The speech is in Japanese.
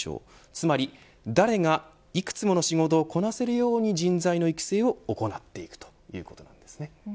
つまり誰が幾つもの仕事をこなせるように人材の育成を行っていくということです。